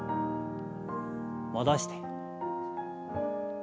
戻して。